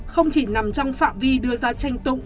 không chỉ nằm trong phạm vi đưa ra tranh tụng